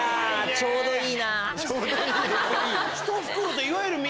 ちょうどいい！